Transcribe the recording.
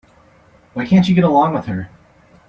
Why can't you get along with her?